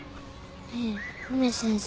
ねえ梅先生。